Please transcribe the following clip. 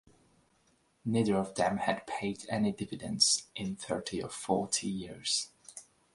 Neither of them had paid any dividends in thirty or forty years.